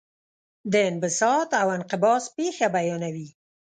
د انبساط او انقباض پېښه بیانوي.